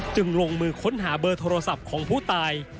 จึงลงมือค้นหาเบอร์โทรศัพท์ของผู้ตาย